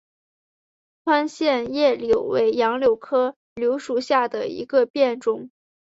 宽线叶柳为杨柳科柳属下的一个变种。